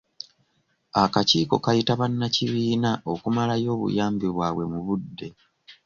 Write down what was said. Akakiiko kayita bannakibiina okumalayo obuyambi bwabwe mu budde.